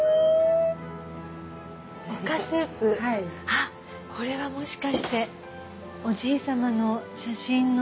あっこれはもしかしておじいさまの写真の。